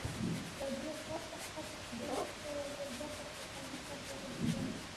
له ډېر پورته کښته کېدو وروسته یو ځل بیا پر پخواني کټ وغځېدم.